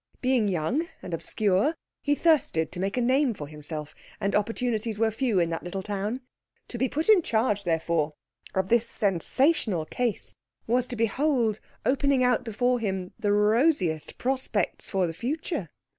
Being young and obscure, he thirsted to make a name for himself, and opportunities were few in that little town. To be put in charge, therefore, of this sensational case, was to behold opening out before him the rosiest prospects for the future.